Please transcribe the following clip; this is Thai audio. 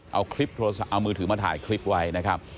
เอามือถือมาถ่ายคลิปไว้นะครับ